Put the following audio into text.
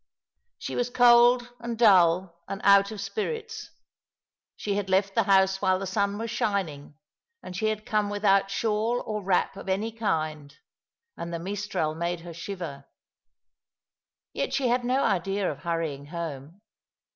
^^ 243' I She was cold and dull, and out of spirits. She had left the house while the sun was shining, and she had come without shawl or wrap of any kind, and the mistral made her shiver. Yet she had no idea of hurrying home.